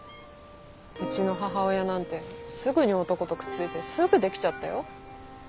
うちの母親なんてすぐに男とくっついてすぐ出来ちゃったよ。